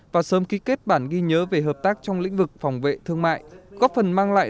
và sớm ký kết bản ghi nhớ về hợp tác trong lĩnh vực phòng vệ thương mại góp phần mang lại